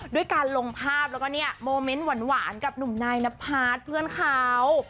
ด้วยการลงภาพแล้วก็เนี่ยโมเมนต์หวานกับหนุ่มนายนพัฒน์เพื่อนเขา